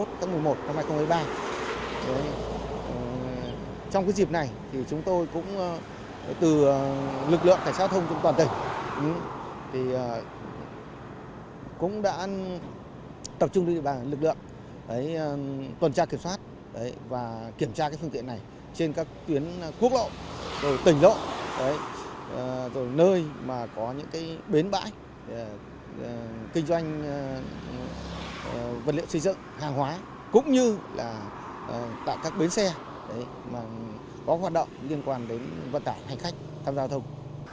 tập trung lực lượng tuần tra kiểm soát và kiểm tra phương tiện này trên các tuyến cước lộ tỉnh lộ nơi có bến bãi kinh doanh vật liệu xây dựng hàng hóa cũng như các bến xe có hoạt động liên quan đến vận tài hành khách tham gia giao thông